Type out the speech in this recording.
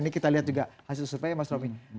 ini kita lihat juga hasil surveinya mas romy